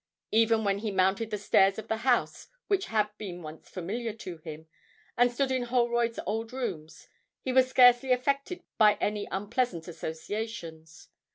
Even when he mounted the stairs of the house which had been once familiar to him, and stood in Holroyd's old rooms, he was scarcely affected by any unpleasant associations.